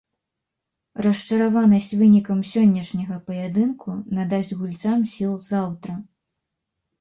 Расчараванасць вынікам сённяшняга паядынку надасць гульцам сіл заўтра.